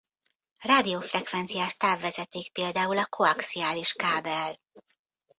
Rádiófrekvenciás távvezeték például a koaxiális kábel.